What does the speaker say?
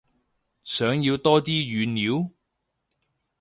想要多啲語料？